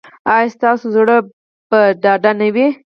ایا ستاسو زړه به ډاډه نه وي؟